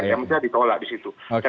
yang bisa dikawal disitu